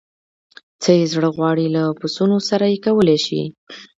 څه یې زړه غواړي له پسونو سره یې کولای شي.